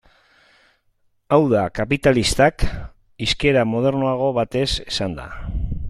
Hau da, kapitalistak, hizkera modernoago batez esanda.